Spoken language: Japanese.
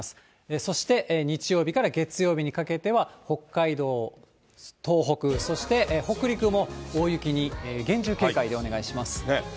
そして、日曜日から月曜日にかけては北海道、東北、そして北陸も大雪に厳重警戒でお願いします。